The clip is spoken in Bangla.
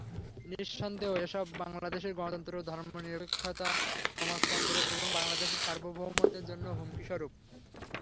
নিঃসন্দেহে এসব বাংলাদেশের গণতন্ত্র, ধর্মনিরপেক্ষতা, সমাজতন্ত্র এবং বাংলাদেশের সার্বভৌমত্বের জন্য হুমকিস্বরূপ।